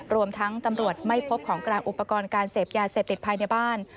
รวมทั้งตำรวจไม่พบของกลางอุปกรณ์การเสพยาเสพติดภายในบ้าน